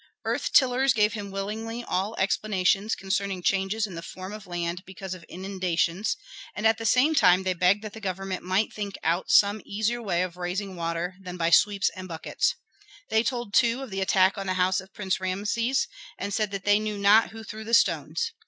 Earth tillers gave him willingly all explanations concerning changes in the form of land because of inundations, and at the same time they begged that the government might think out some easier way of raising water than by sweeps and buckets. They told too of the attack on the house of Prince Rameses, and said that they knew not who threw the stones.